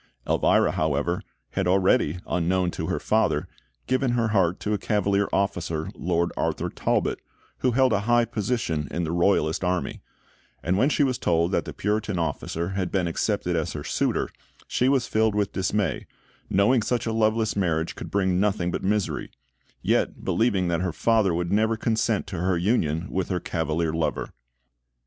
Elvira, however, had already, unknown to her father, given her heart to a Cavalier officer, Lord Arthur Talbot, who held a high position in the Royalist Army; and when she was told that the Puritan officer had been accepted as her suitor, she was filled with dismay, knowing such a loveless marriage could bring nothing but misery, yet believing that her father would never consent to her union with her Cavalier lover.